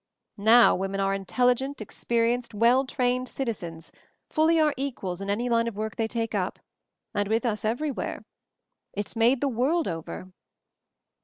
"Now women are intelligent, experienced, well trained citizens, fully our equals in any line of work they take up, and with us every where. It's made the world over!"